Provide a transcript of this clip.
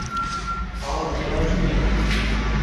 حاڵم باش نییە.